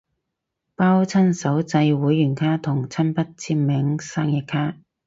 包親手製會員卡同親筆簽名生日卡